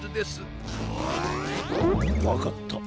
わかった。